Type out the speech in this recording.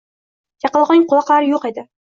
Chaqaloqning quloqlari yo`q edi